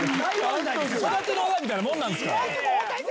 育ての親みたいなもんなんすから。